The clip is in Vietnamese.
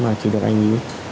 mà chỉ được anh ấy